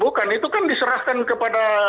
bukan itu kan diserahkan kepada